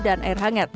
dan air hangat